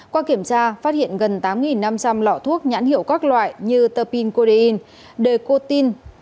qua kiểm tra phát hiện gần tám năm trăm linh lọ thuốc nhãn hiệu các loại như terpin codein decotin